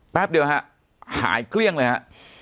แป๊บเดียวฮะหายเกลี้ยงเลยฮะ